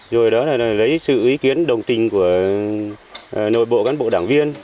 rồi đó là lấy sự ý kiến đồng tình của nội bộ cán bộ đảng viên